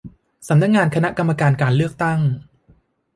สำนักงานคณะกรรมการเลือกตั้ง